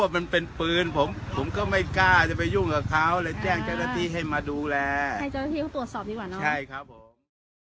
ว่ามันเป็นปืนผมผมก็ไม่กล้าจะไปยุ่งกับเขาเลยแจ้งจักรตีให้มาดูแลให้ตัวสอบดีกว่าใช่ครับผม